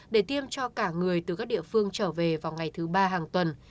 để tiêm cho cả người từ các địa phương trở về vào ngày thứ ba hàng tuần